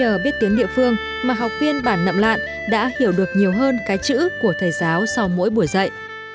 nhờ biết tiếng địa phương mà học viên bản nậm lạn đã hiểu được nhiều hơn cái chữ của thầy giáo sau mỗi buổi dạy